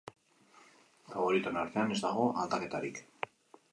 Faboritoen artean ez dago aldaketarik.